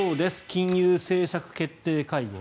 金融政策決定会合。